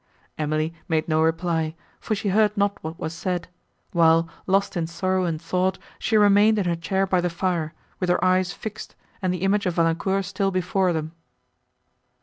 Emily made no reply, for she heard not what was said, while, lost in sorrow and thought, she remained in her chair by the fire, with her eyes fixed, and the image of Valancourt still before them.